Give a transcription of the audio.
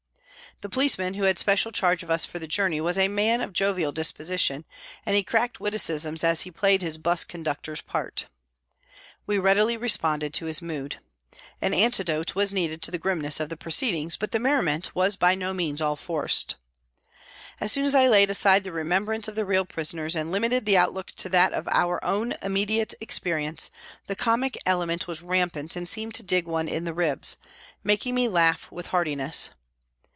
The policeman who had special charge of us for the journey was a man of jovial disposition, and he cracked witticisms as he played his 'bus conductor's part. We readily responded to his mood. An antidote was needed to the grimness of the pro ceedings, but the merriment was by no means all forced. As soon as I laid aside the remembrance of the real prisoners and limited the outlook to that of our own immediate experience, the comic element was rampant and seemed to dig one in the ribs, making me laugh with heartiness.